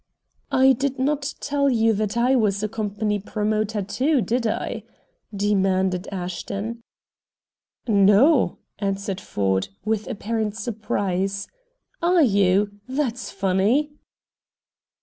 "I did not tell you that I was a company promoter, too, did I?" demanded Ashton. "No," answered Ford, with apparent surprise. "Are you? That's funny."